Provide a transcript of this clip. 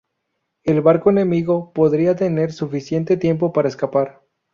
El barco enemigo podría tener suficiente tiempo para escapar.